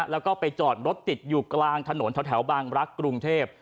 แล้วก็ไปจอดรถติดอยู่กลางถนนแถวบางรักกรุงเทพ